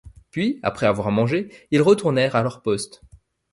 Puis, après avoir mangé, ils retournèrent à leur poste.